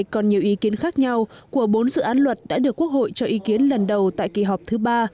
còn nhiều ý kiến khác nhau của bốn dự án luật đã được quốc hội cho ý kiến lần đầu tại kỳ họp thứ ba